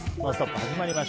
始まりました。